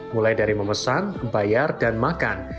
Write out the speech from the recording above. mulai dari memesan membayar dan makan